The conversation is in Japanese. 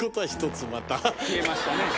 消えましたね。